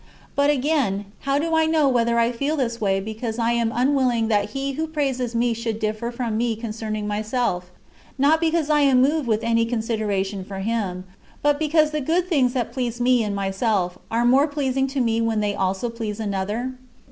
But, again, how do I know whether I feel this way because I am unwilling that he who praises me should differ from me concerning myself not because I am moved with any consideration for him, but because the good things that please me in myself are more pleasing to me when they also please another?